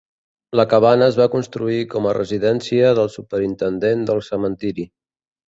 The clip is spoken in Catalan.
La cabana es va construir com a residència del superintendent del cementiri.